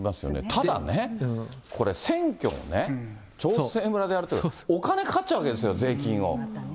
ただね、これ、選挙もね、長生村でやるって、お金かかっちゃうわけですよ、税金を。